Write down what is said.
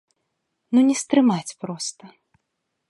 Ну не стрымаць проста.